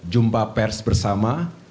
jumpa pers bersama